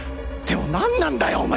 でもなんなんだよ？